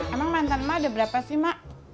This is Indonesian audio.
emang mantan mak ada berapa sih mak